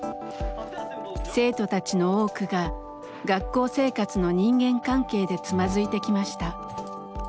生徒たちの多くが学校生活の人間関係でつまずいてきました。